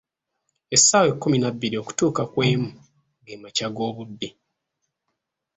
Essaawa ekkumi nabbiri okutuuka ku emu, ge makya g'obudde.